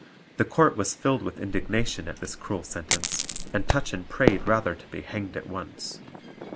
The court was filled with indignation at this cruel sentence, and Tutchin prayed rather to be hanged at once.